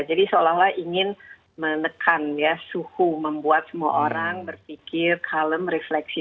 jadi seolah olah ingin menekan ya suhu membuat semua orang berpikir kalem refleksi